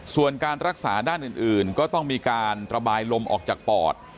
ส่วนการรักษาด้านอื่นก็ต้องมีการระบายลมออกจากปอด